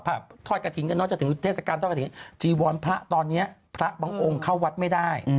พฤศกรรมต้องการอย่างนี้จีวรพระตอนนี้พระบางองค์เข้าวัดไม่ได้